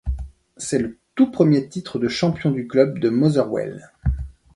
C'est le tout premier titre de champion du club de Motherwell.